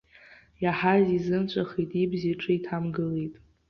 Иаҳаз изымҵәахит, ибз иҿы иҭамгылеит.